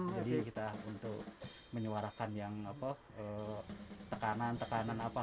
jadi kita untuk menyuarakan yang tekanan tekanan apa